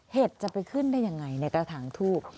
เห็ดจะไปขึ้นได้อย่างไรในกระทางทูป